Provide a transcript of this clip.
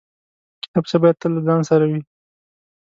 کتابچه باید تل له ځان سره وي